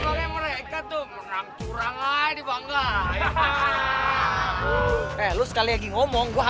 kalian tuh udah kalah